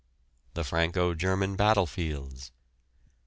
THE FRANCO GERMAN BATTLEFIELDS.